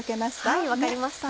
はい分かりました。